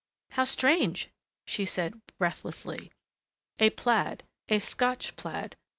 "How strange!" she said breathlessly. A plaid ... A Scotch plaid.